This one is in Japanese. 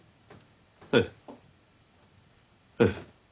ええええ。